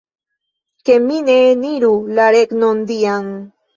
Ke mi ne eniru la Regnon Dian!